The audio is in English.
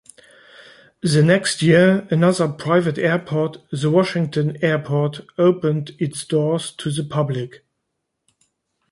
The next year, another private airport, the Washington Airport, opened its doors to the public.